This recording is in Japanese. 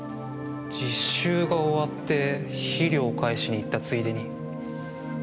実習が終わって肥料を返しに行ったついでに。